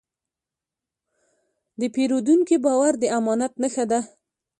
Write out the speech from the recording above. د پیرودونکي باور د امانت نښه ده.